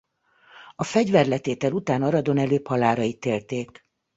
A fegyverletétel után Aradon előbb halálra ítélték.